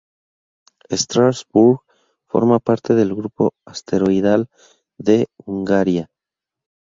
Strasbourg forma parte del grupo asteroidal de Hungaria.